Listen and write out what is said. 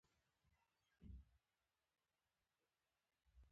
له ذلت او مختورۍ سره به مخ کېږي.